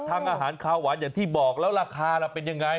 ทางอาหารคาวหวานอย่างที่บอกแล้วราคาล่ะเป็นยังไง